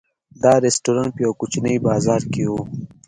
دا رسټورانټ په یوه کوچني بازار کې و.